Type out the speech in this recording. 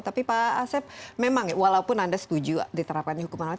tapi pak asep memang walaupun anda setuju diterapkannya hukuman mati